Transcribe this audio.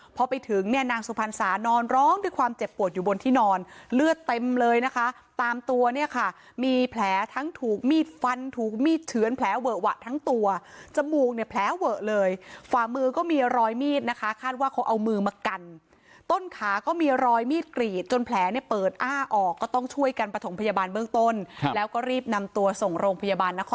พอไปถึงเนี่ยนางสุพรรณสานอนร้องด้วยความเจ็บปวดอยู่บนที่นอนเลือดเต็มเลยนะคะตามตัวเนี่ยค่ะมีแผลทั้งถูกมีดฟันถูกมีดเฉือนแผลเวอะหวะทั้งตัวจมูกเนี่ยแผลเวอะเลยฝ่ามือก็มีรอยมีดนะคะคาดว่าเขาเอามือมากันต้นขาก็มีรอยมีดกรีดจนแผลเนี่ยเปิดอ้าออกก็ต้องช่วยกันประถมพยาบาลเบื้องต้นแล้วก็รีบนำตัวส่งโรงพยาบาลนคร